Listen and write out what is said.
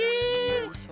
よいしょ。